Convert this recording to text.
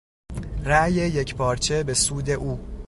رای یکپارچه به سود او